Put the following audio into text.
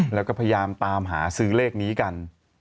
แล้วก็พยายามตามหาซื้อเลขนี้กัน